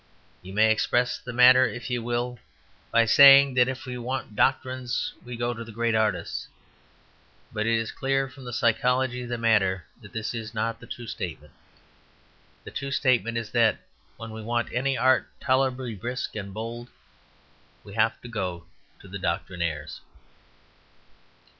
You may express the matter if you will by saying that if we want doctrines we go to the great artists. But it is clear from the psychology of the matter that this is not the true statement; the true statement is that when we want any art tolerably brisk and bold we have to go to the doctrinaires.